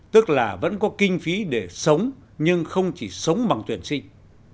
tức là vẫn có kinh phí để sống nhưng không chỉ sống bằng tuyển sinh